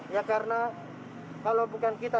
ya karena kalau bukan kita